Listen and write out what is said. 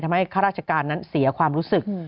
ข้าราชการนั้นเสียความรู้สึก